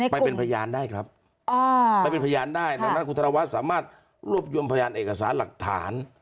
ไปเป็นพยานได้ครับไปเป็นพยานได้ดังนั้นคุณธนวัฒน์สามารถรวบรวมพยานเอกสารหลักฐาน